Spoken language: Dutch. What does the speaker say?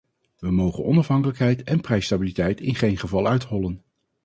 We mogen onafhankelijkheid en prijsstabiliteit in geen geval uithollen.